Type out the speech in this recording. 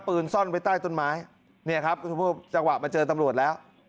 ปืนซ่อนไว้ใต้ต้นไม้เนี่ยครับจังหวะมาเจอตำรวจแล้ว